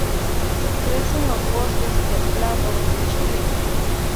Crece en los bosques templados de Chile.